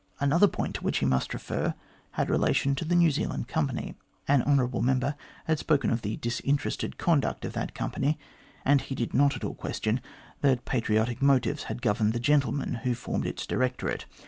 Another point to which he must refer had relation to the New Zealand Company. An hon. member had spoken of the disinterested conduct of that Company, and he did not at all question that patriotic motives had governed the gentlemen who formed its directorate.